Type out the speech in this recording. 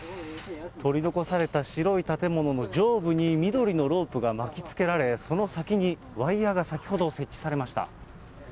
取り残された白い建物の上部に緑のロープが巻きつけられ、その先にワイヤが先ほど設置されました。